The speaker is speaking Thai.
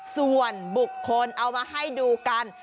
ส่วนบุคคลเอามาให้ดูกัน